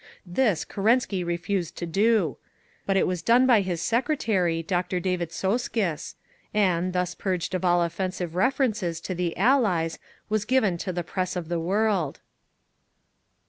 This Kerensky refused to do; but it was done by his secretary, Dr. David Soskice—and, thus purged of all offensive references to the Allies, was given to the press of the world….